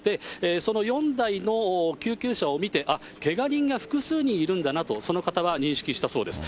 その４台の救急車を見て、あっ、けが人が複数人いるんだなと、その方は認識したそうです。